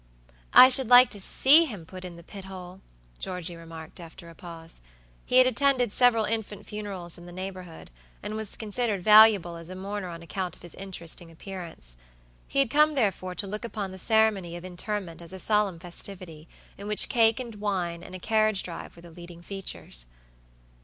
"I should like to see him put in the pit hole," Georgey remarked, after a pause. He had attended several infant funerals in the neighborhood, and was considered valuable as a mourner on account of his interesting appearance. He had come, therefore, to look upon the ceremony of interment as a solemn festivity; in which cake and wine, and a carriage drive were the leading features.